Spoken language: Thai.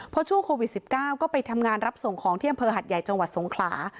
เพราะช่วงโควิด๑๙ก็ไปทำงานรับส่งของที่อำเภอหัดใหญ่จังหวัดสงขลา